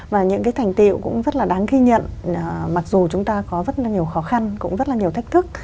và những thành tiệu cũng rất đáng ghi nhận mặc dù chúng ta có rất nhiều khó khăn cũng rất nhiều thách thức